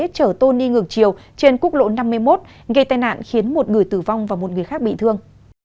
chở tôn đi ngược chiều trên quốc lộ năm mươi một gây tai nạn khiến một người tử vong và một người khác bị thương